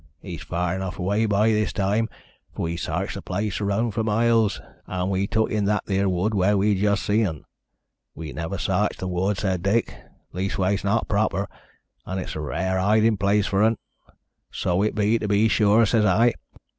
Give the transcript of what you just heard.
He's far enough away by this time, for we s'arched the place round fur miles, and we took in that theer wood where we just see un.' 'We never s'arched th' wood,' says Dick, 'leastways, not proper, an' it's a rare hidin' place for un.' 'So it be, to be sure,' says I.